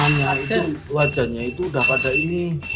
nah itu wajahnya itu udah pada ini